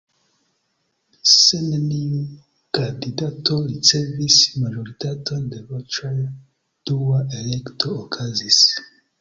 Se neniu kandidato ricevis majoritaton de voĉoj, dua elekto okazis.